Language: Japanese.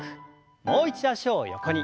もう一度脚を横に。